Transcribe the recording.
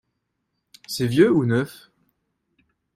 C'est vieux ou neuf ?